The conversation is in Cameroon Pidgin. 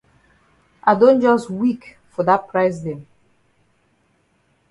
I don jus weak for dat price dem.